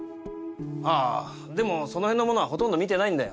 ああでもその辺のものはほとんど見てないんだよ。